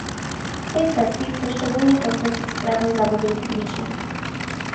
W tej kwestii chcę szczególnie podkreślić sprawę zamówień publicznych